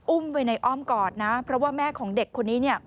ไว้ในอ้อมกอดนะเพราะว่าแม่ของเด็กคนนี้เนี่ย